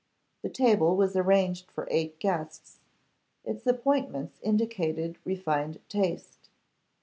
The table was arranged for eight guests; its appointments indicated refined taste.